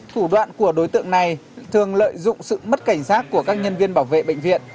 thủ đoạn của đối tượng này thường lợi dụng sự mất cảnh giác của các nhân viên bảo vệ bệnh viện